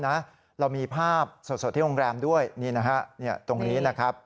เรามีภาพสดที่โรงแรมด้วยนี่นะฮะตรงนี้นะครับ